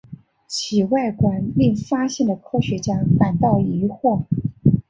其外观令发现的科学家感到疑惑。